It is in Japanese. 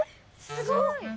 すごい！